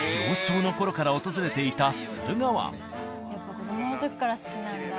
やっぱ子どもの時から好きなんだ。